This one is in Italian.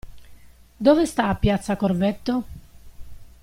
Dove sta Piazza Corvetto?